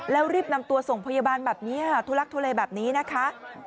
แล้วรีบนำตัวส่งโรงพยาบาลแบบนี้ค่ะทุลักทุเลแบบนี้นะคะ